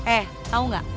eh tau gak